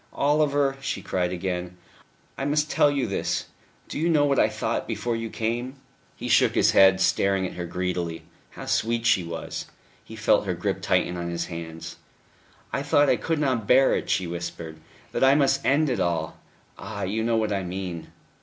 "Oliver," she cried again, "I must tell you this.... Do you know what I thought before you came?" He shook his head, staring at her greedily. How sweet she was! He felt her grip tighten on his hands. "I thought I could not bear it," she whispered "that I must end it all ah! you know what I mean."